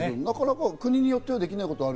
国によってはできないことがある。